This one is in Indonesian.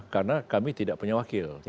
karena kami tidak punya wakil di dpr